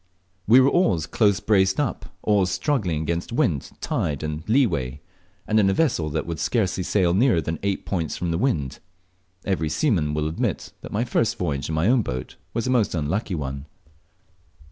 We were always close braced up, always struggling against wind, tide, and leeway, and in a vessel that would scarcely sail nearer than eight points from the wind. Every seaman will admit that my first voyage in my own boat was a most unlucky one.